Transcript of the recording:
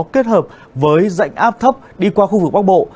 kết hợp với dạnh áp thấp đi qua khu vực bắc bộ